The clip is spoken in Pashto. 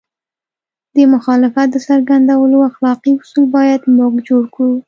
د مخالفت د څرګندولو اخلاقي اصول باید موږ جوړ کړو.